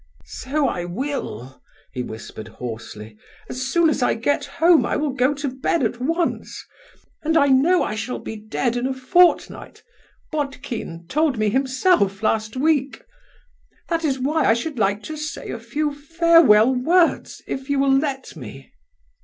"So I will," he whispered hoarsely. "As soon as I get home I will go to bed at once; and I know I shall be dead in a fortnight; Botkine told me so himself last week. That is why I should like to say a few farewell words, if you will let me."